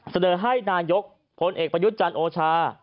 เสนอให้นายกพลเอกประยุทธ์จันทร์โอชา